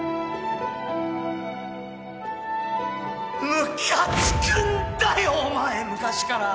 ムカつくんだよお前昔から！